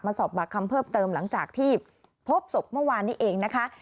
สอบปากคำเพิ่มเติมหลังจากที่พบศพเมื่อวานนี้เองนะคะ